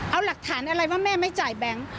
เอาหลักฐานอะไรว่าแม่ไม่จ่ายแบงค์